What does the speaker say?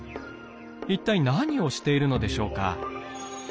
一体何をしているのでしょうか？